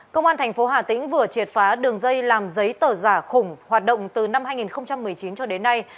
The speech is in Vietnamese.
công an thành phố hà tĩnh vừa triệt phá đường dây làm giấy tờ giả khủng hoạt động từ năm hai nghìn một mươi chín cho đến nay